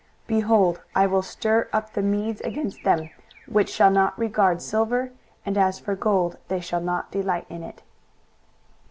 23:013:017 Behold, I will stir up the Medes against them, which shall not regard silver; and as for gold, they shall not delight in it.